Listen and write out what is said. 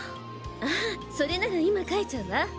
あぁそれなら今書いちゃうわ！